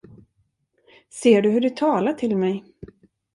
Ser du hur du talar till mig?